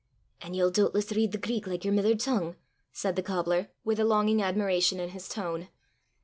"An' ye'll doobtless read the Greek like yer mither tongue?" said the cobbler, with a longing admiration in his tone.